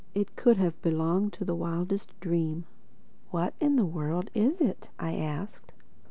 It could have belonged to the wildest dream. "What in the world is it?" I asked.